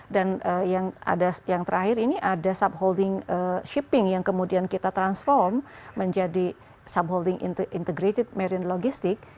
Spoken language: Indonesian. dan yang terakhir ini ada subholding shipping yang kemudian kita transform menjadi subholding integrated marine logistic